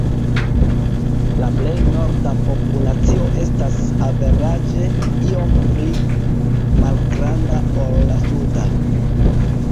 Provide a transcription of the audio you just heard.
La plej norda populacio estas averaĝe iom pli malgranda ol la suda.